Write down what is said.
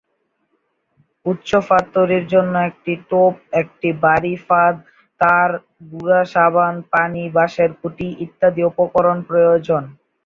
উচ্চ ফাঁদ তৈরির জন্য একটি টোপ, একটি বারি ফাঁদ, তার, গুঁড়া সাবান, পানি, বাঁশের খুঁটি ইত্যাদি উপকরণ প্রয়োজন।